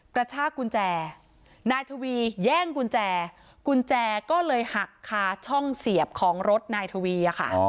กระชากกุญแจนายทวีแย่งกุญแจกุญแจก็เลยหักคาช่องเสียบของรถนายทวีค่ะ